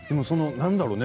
何なんだろうね。